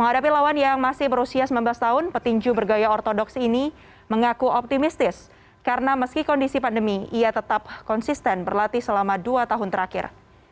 menghadapi lawan yang masih berusia sembilan belas tahun petinju bergaya ortodoks ini mengaku optimistis karena meski kondisi pandemi ia tetap konsisten berlatih selama dua tahun terakhir